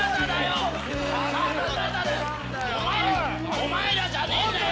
お前らじゃねえんだよ！